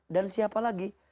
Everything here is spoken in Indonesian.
dan siapa lagi